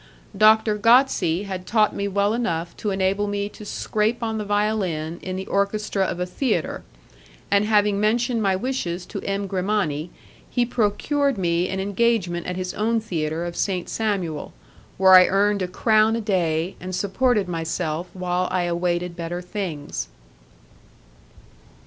Doctor Gozzi had taught me well enough to enable me to scrape on the violin in the orchestra of a theatre, and having mentioned my wishes to M. Grimani he procured me an engagement at his own theatre of Saint Samuel, where I earned a crown a day, and supported myself while I awaited better things.